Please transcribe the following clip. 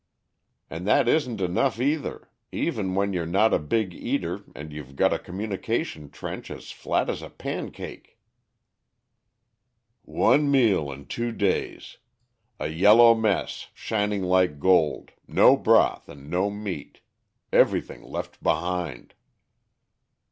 "And that isn't enough either, even when you're not a big eater and you're got a communication trench as flat as a pancake." "One meal in two days a yellow mess, shining like gold, no broth and no meat everything left behind."